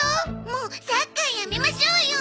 もうサッカーやめましょうよ。